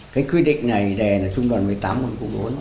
cái quyết định này đề là trung đoàn một mươi tám quân cụ bốn